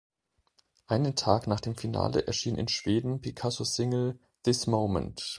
Einen Tag nach dem Finale erschien in Schweden Picassos Single "This Moment".